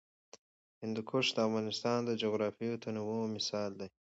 هندوکش د افغانستان د جغرافیوي تنوع مثال دی.